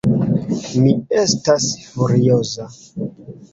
Mi estas furioza!